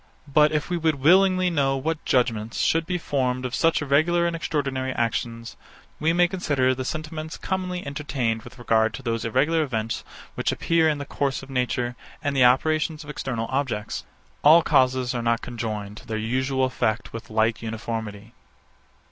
But if we would willingly know what judgement should be formed of such irregular and extraordinary actions, we may consider the sentiments commonly entertained with regard to those irregular events which appear in the course of nature, and the operations of external objects. All causes are not conjoined to their usual effects with like uniformity.